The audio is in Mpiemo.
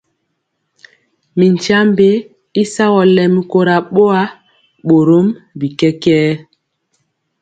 Mi tyiambe y sagɔ lɛmi kora boa, borom bi kɛkɛɛ.